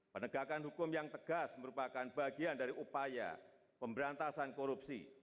penegakan hukum yang tegas merupakan bagian dari upaya pemberantasan korupsi